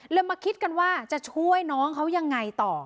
มาคิดกันว่าจะช่วยน้องเขายังไงต่อ